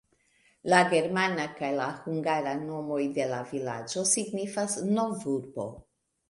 La germana kaj la hungara nomoj de la vilaĝo signifas "nov-urbo".